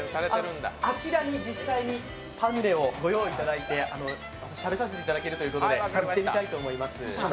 あちらに実際にパヌレをご用意いただいて食べさせていただけるということで食べてみたいと思います。